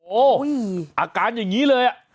โอ้อุ้ยอาการอย่างงี้เลยอ่ะ